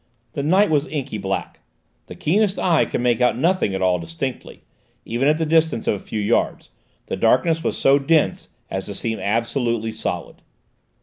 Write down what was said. The night was inky black. The keenest eye could make out nothing at all distinctly, even at the distance of a few yards: the darkness was so dense as to seem absolutely solid.